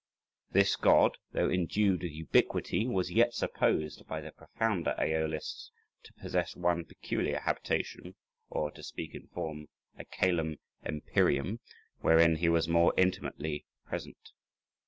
This god, though endued with ubiquity, was yet supposed by the profounder Æolists to possess one peculiar habitation, or (to speak in form) a cælum empyræum, wherein he was more intimately present.